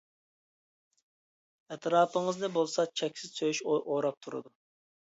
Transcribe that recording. ئەتراپىڭىزنى بولسا چەكسىز سۆيۈش ئوراپ تۇرىدۇ.